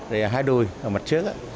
đây là hai đùi ở mặt trước á